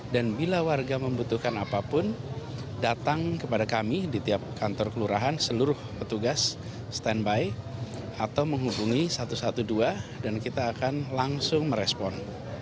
dan bila warga membutuhkan apapun datang kepada kami di tiap kantor kelurahan seluruh petugas standby atau menghubungi satu ratus dua belas dan kita akan langsung merespon